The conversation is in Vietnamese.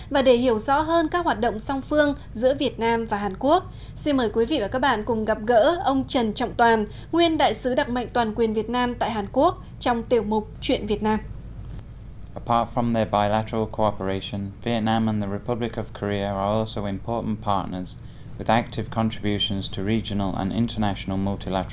và để hiểu rõ hơn các hoạt động song phương giữa việt nam và hàn quốc xin mời quý vị và các bạn cùng gặp gỡ ông trần trọng toàn nguyên đại sứ đặc mệnh toàn quyền việt nam tại hàn quốc trong tiểu mục chuyện việt nam